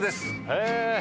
へえ。